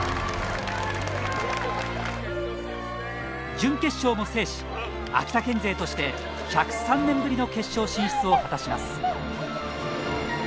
準決勝も制し秋田県勢として１０３年ぶりの決勝進出を果たします。